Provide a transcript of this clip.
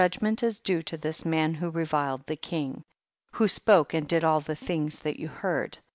ment is due to tliis man who reviled the king ; who spoke and did all the things that you heard.